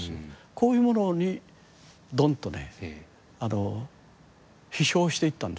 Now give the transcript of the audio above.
こういうものにドンとね飛翔していったんですよ。